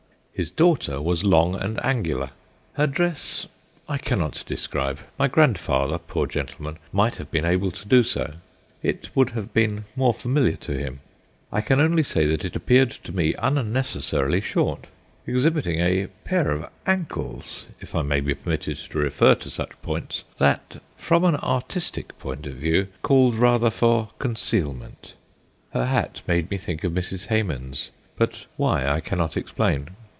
His daughter was long and angular. Her dress I cannot describe: my grandfather, poor gentleman, might have been able to do so; it would have been more familiar to him. I can only say that it appeared to me unnecessarily short, exhibiting a pair of ankles if I may be permitted to refer to such points that, from an artistic point of view, called rather for concealment. Her hat made me think of Mrs. Hemans; but why I cannot explain.